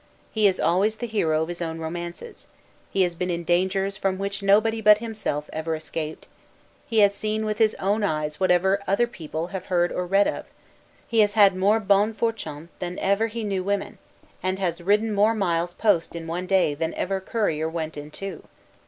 He is always the hero of his own romances; he has been in dangers from which nobody but himself ever escaped; he has seen with his own eyes, whatever other people have heard or read of: he has had more 'bonnes fortunes' than ever he knew women; and has ridden more miles post in one day, than ever courier went in two.